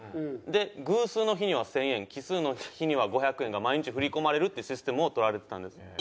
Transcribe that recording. で偶数の日には１０００円奇数の日には５００円が毎日振り込まれるってシステムをとられてたんです。